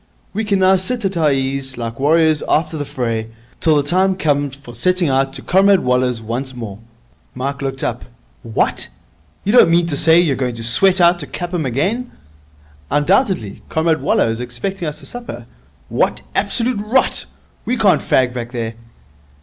We can now sit at our ease, like warriors after the fray, till the time comes for setting out to Comrade Waller's once more.' Mike looked up. 'What! You don't mean to say you're going to sweat out to Clapham again?' 'Undoubtedly. Comrade Waller is expecting us to supper.' 'What absolute rot! We can't fag back there.'